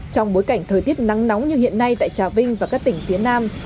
trong bối cảnh thời tiết nắng nóng như hiện nay tại trà vinh và các tỉnh phía nam